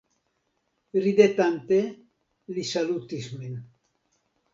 Ridetante li salutis min.